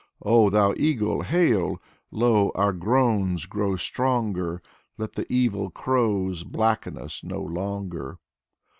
Oh, thou eagle, hail! Lo, our groans grow stronger. Let the evil crows Blacken us no longer.